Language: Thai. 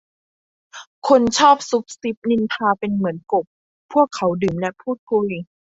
คนชอบซุบซิบนินทาเป็นเหมือนกบ พวกเขาดื่มและพูดคุย